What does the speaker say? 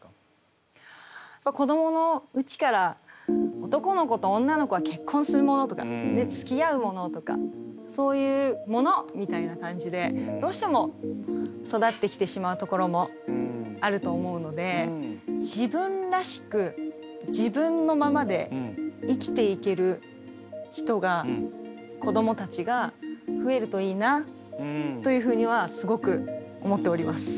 子どものうちから男の子と女の子は結婚するものとかつきあうものとかそういう「もの」みたいな感じでどうしても育ってきてしまうところもあると思うので自分らしく自分のままで生きていける人が子どもたちが増えるといいなというふうにはすごく思っております。